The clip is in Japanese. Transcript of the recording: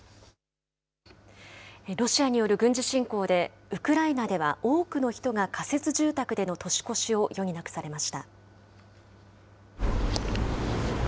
ロシアによる軍事侵攻で、ウクライナでは多くの人が仮設住宅での年越しを余儀なくされました。